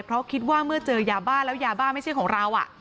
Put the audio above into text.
เพราะคิดว่าเมื่อเจอยาบ้าแล้วยาบ้าไม่ใช่ของเรา